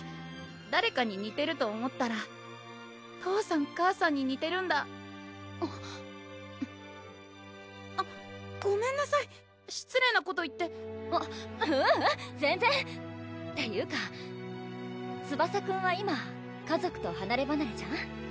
誰かににてると思ったら父さん・母さんににてるんだあっごめんなさい失礼なこと言ってううん全然！っていうかツバサくんは今家族とはなればなれじゃん？